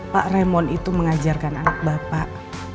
pak remon itu mengajarkan anak bapak